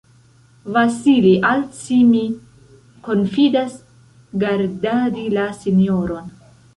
Vasili, al ci mi konfidas gardadi la sinjoron.